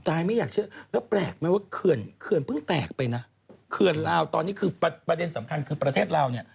ไม่อยากเชื่อแล้วแปลกไหมว่าเขื่อนเพิ่งแตกไปนะเขื่อนลาวตอนนี้คือประเด็นสำคัญคือประเทศลาวเนี่ย